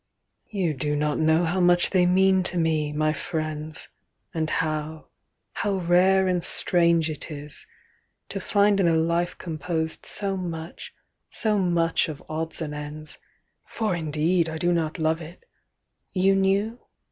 "You do not know how much they mean to me, my friends, And how, how rare and strange it is, to find In a life composed so much, so much of odds and ends, (For indeed I do not love it... you knew?